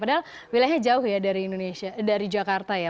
padahal wilayahnya jauh ya dari indonesia dari jakarta ya